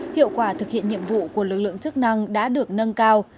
hiệu quả thực hiện nhiệm vụ của lực lượng chức năng đã được nâng cao